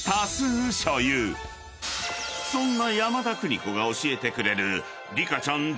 ［そんな山田邦子が教えてくれる］